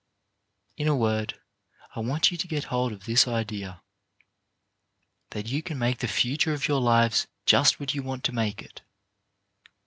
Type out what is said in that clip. In a word, I want you to get hold of this idea, that you can make the future of your lives just what you want to make it.